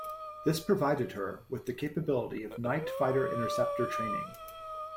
This provided her with the capability of night fighter-interceptor training.